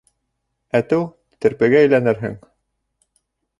Әтеү, терпегә әйләнерһең.